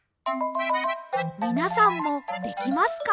みなさんもできますか？